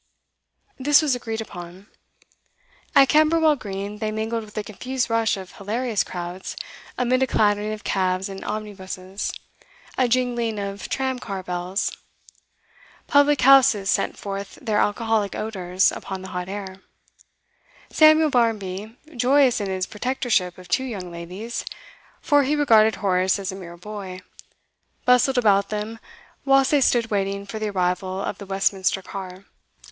This was agreed upon. At Camberwell Green they mingled with a confused rush of hilarious crowds, amid a clattering of cabs and omnibuses, a jingling of tram car bells. Public houses sent forth their alcoholic odours upon the hot air. Samuel Barmby, joyous in his protectorship of two young ladies, for he regarded Horace as a mere boy, bustled about them whilst they stood waiting for the arrival of the Westminster car.